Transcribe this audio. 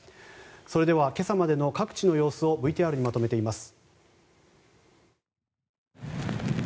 それでは今朝までの各地の様子をＶＴＲにまとめています。